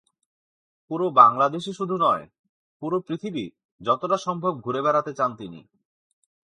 পুরো বাংলাদেশই শুধু নয়, পুরো পৃথিবীর যতটা সম্ভব ঘুরে বেড়াতে চান তিনি।